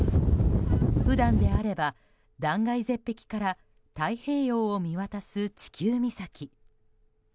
普段であれば断崖絶壁から太平洋を見渡す地球岬。